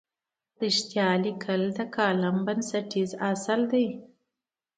رښتیا لیکل د کالم بنسټیز اصل دی.